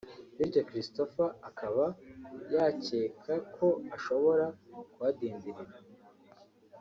bityo Christopher akaba yacyeka ko ashobora kuhadindirira